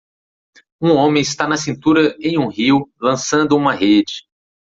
Um homem está na cintura em um rio lançando uma rede.